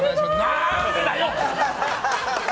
何でだよ！